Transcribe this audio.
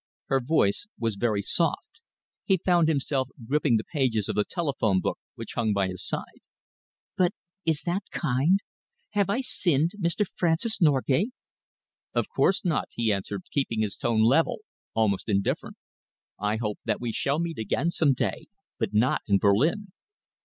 Her voice was very soft. He found himself gripping the pages of the telephone book which hung by his side. "But is that kind? Have I sinned, Mr. Francis Norgate?" "Of course not," he answered, keeping his tone level, almost indifferent. "I hope that we shall meet again some day, but not in Berlin."